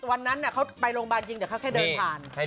วันนั้นเขาไปโรงพยาบาลจริงเดี๋ยวเขาแค่เดินผ่าน